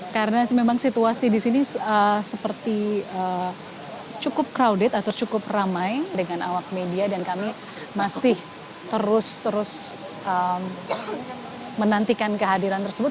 karena memang situasi di sini seperti cukup crowded atau cukup ramai dengan awak media dan kami masih terus terus menantikan kehadiran tersebut